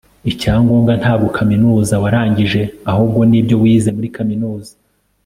Icyangombwa ntabwo kaminuza warangije ahubwo ni ibyo wize muri kaminuza